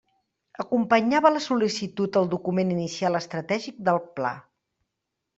Acompanyava la sol·licitud el document inicial estratègic del Pla.